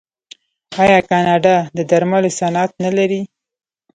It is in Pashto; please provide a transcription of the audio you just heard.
آیا کاناډا د درملو صنعت نلري؟